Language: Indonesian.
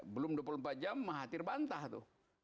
belum dua puluh empat jam mahathir bantah tuh